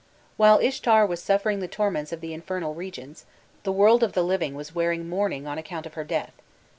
While Ishtar was suffering the torments of the infernal regions, the world of the living was wearing mourning on account of her death.